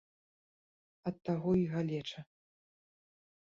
Ад таго і галеча.